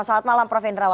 selamat malam prof hendrawan